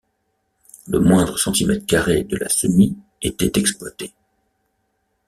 Le moindre centimètre carré de la semi était exploité.